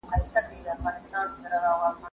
زه به سبا سیر کوم؟